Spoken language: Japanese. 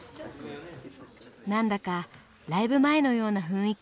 何だかライブ前のような雰囲気。